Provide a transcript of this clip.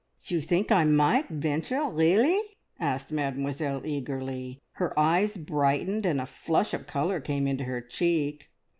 "You think I might venture really?" asked Mademoiselle eagerly. Her eyes brightened, and a flush of colour came into her cheek.